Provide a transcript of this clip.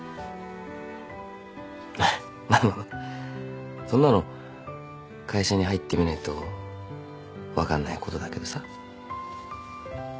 まああのそんなの会社に入ってみないと分かんないことだけどさ。